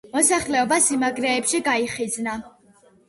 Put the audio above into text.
მოსახლეობა სიმაგრეებში გაიხიზნა.